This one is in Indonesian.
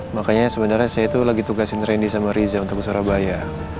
makanya sebenarnya saya itu lagi tugasin randy sama riza untuk ke surabaya